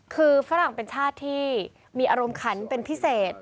คือฝรั่งเป็นชาติที่มีอารมณ์ขันเป็นพิเศษ